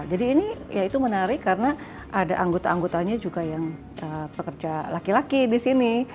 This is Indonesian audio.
ini ya itu menarik karena ada anggota anggotanya juga yang pekerja laki laki di sini